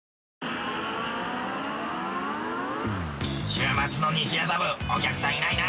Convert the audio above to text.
週末の西麻布お客さんいないな。